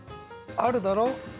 あるだろ？